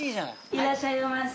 ・いらっしゃいませ。